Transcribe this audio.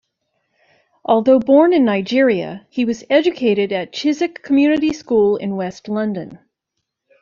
Although born in Nigeria, he was educated at Chiswick Community School in West London.